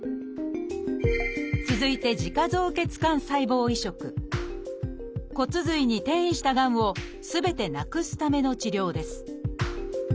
続いて骨髄に転移したがんをすべてなくすための治療です。